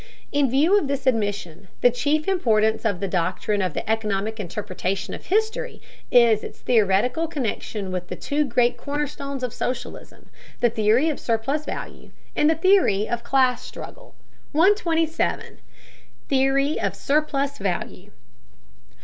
In view of this admission, the chief importance of the doctrine of the economic interpretation of history is its theoretical connection with the two great cornerstones of socialism: the theory of surplus value, and the theory of class struggle. 127. THEORY OF SURPLUS VALUE.